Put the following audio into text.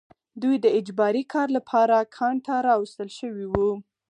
دوی د اجباري کار لپاره کان ته راوستل شوي وو